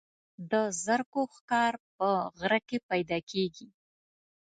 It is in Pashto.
د زرکو ښکار په غره کې پیدا کیږي.